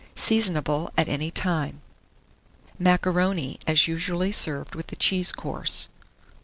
Seasonable at any time. MACARONI, as usually served with the CHEESE COURSE.